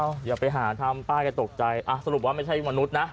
อย่าไปหาทำป้าแกตกใจอ่ะสรุปว่าไม่ใช่มนุษย์นะ